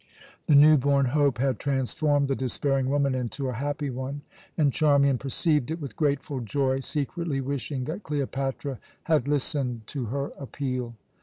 The new born hope had transformed the despairing woman into a happy one, and Charmian perceived it with grateful joy, secretly wishing that Cleopatra had listened to her appeal.